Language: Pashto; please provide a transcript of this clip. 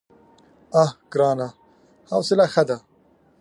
_اه ګرانه! حوصله ښه ده.